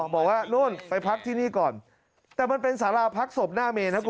บอกว่าไปพักที่นี่ก่อนแต่มันเป็นสาราพักสมหน้าเมนะ